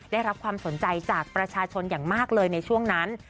ได้รับความสนใจจากประชาชนอย่างมากเลยในช่วงนั้น